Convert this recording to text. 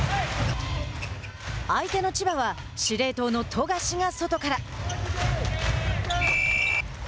相手の千葉は司令塔の富樫が外から。